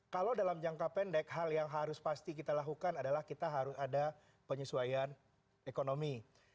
kalau dalam jangka pendek hal yang harus pasti kita lakukan adalah kita harus ada penyesuaian ekonomi